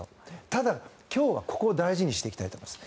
ただ、今日はここを大事にしていきたいと思っています。